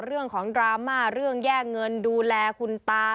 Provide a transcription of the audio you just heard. เรื่องของดราม่าเรื่องแยกเงินดูแลคุณตา